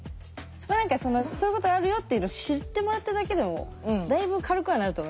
まあ何かそういうことがあるよっていうのを知ってもらっただけでもだいぶ軽くはなると思いますけどね。